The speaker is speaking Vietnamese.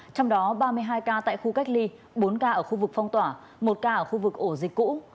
trong đó ba mươi hai ca tại khu cách ly bốn ca ở khu vực phong tỏa một ca ở khu vực ổ dịch cũ